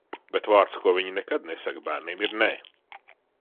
"Bet vārds, ko viņi nekad nesaka bērniem ir "nē"!"